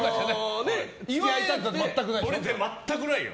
全くないよ。